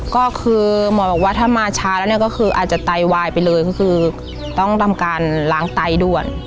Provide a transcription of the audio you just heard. ก็คือหมอบอกว่าถ้ามาช้าแล้วเนี่ยก็คืออาจจะไตวายไปเลยก็คือต้องทำการล้างไตด่วน